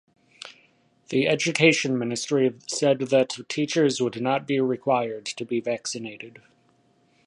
The education ministry said that teachers would not be required to be vaccinated.